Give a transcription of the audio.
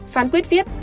phán quyết viết